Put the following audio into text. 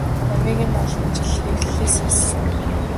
Номыг нь олон жил хэвлэлээс хассан.